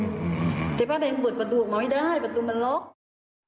ที่ป้าแดงหมุดประดูกมาไม่ได้ประดูกมันลด